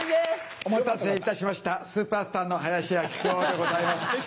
お待たせいたしましたスーパースターの林家木久扇でございます。